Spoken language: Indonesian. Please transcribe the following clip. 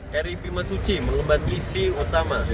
kri bimasuci mengembalikan misi utama